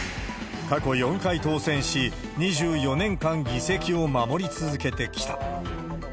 過去４回当選し、２４年間議席を守り続けてきた。